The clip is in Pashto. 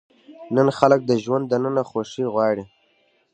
نن خلک د ژوند دننه خوښي غواړي.